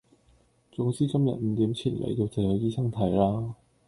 總之今日五點前嚟到就有醫生睇啦